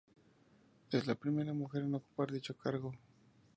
Es la primera mujer en ocupar dicho cargo.